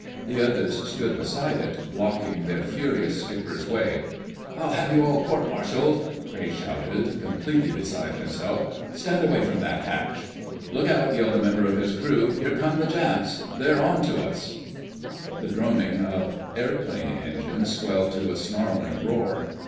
The others stood beside it, blocking their furious skipper's way. "I'll have you all court martialed!" Crayle shouted, completely beside himself. "Stand away from that hatch—" [Illustration: "Crayle Lied When He Said Our Tanks Were Dry!"] "Look out!" yelled a member of his crew. "Here come the Japs—they're on to us!" The droning of airplane engines swelled to a snarling roar.